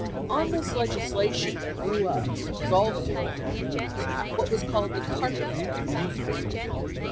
On this legislation there grew up, as all the world now knows, what was called the "carpet bag" regime.